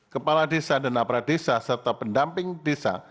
kepala desa dan aparat desa serta pendamping desa